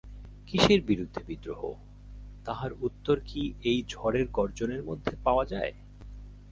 কিসের বিরুদ্ধে বিদ্রোহ, তাহার উত্তর কি এই ঝড়ের গর্জনের মধ্যে পাওয়া যায়?